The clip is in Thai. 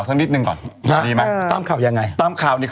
วุ้นเส้นจะถึงใช่ไหม